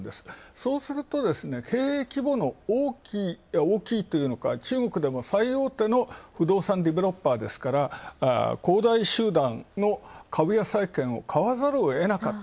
そうすると経営規模の大きいというか中国でも最大手の不動産デベロッパーですから、恒大集団の株や債権を買わざるをえなかった。